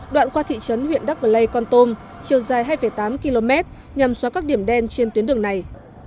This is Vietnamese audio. đoạn qua thị trấn huyện đắk lây con tum chiều dài hai tám km nhằm xóa các điểm đen trên tuyến đường này